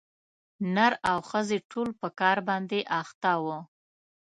نر او ښځي ټول په کار باندي اخته وه